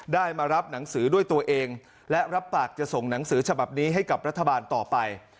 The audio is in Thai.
มารับหนังสือด้วยตัวเองและรับปากจะส่งหนังสือฉบับนี้ให้กับรัฐบาลต่อไป